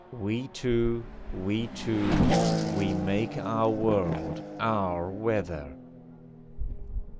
We two, we two, we make our world, our weather.